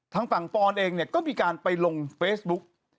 ทางฝั่งปอนเองเนี่ยก็มีการไปลงเฟซบุ๊ก